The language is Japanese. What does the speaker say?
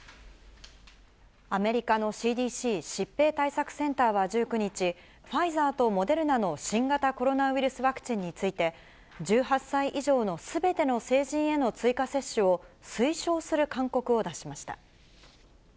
アメリカのＣＤＣ・疾病対策センターは１９日、ファイザーとモデルナの新型コロナウイルスワクチンについて、１８歳以上のすべての成人への追加接種を、推奨する勧告を出しました。